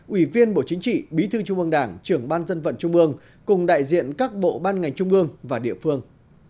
ủy viên bộ chính trị bí thư trung ương đảng trưởng ban dân vận trung ương cùng đại diện các bộ ban ngành trung ương và địa phương